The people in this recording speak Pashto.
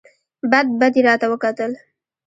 بد بد یې راته وکتل !